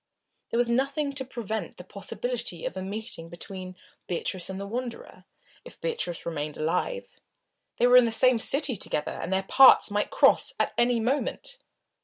There was nothing to prevent the possibility of a meeting between Beatrice and the Wanderer, if Beatrice remained alive. They were in the same city together, and their paths might cross at any moment.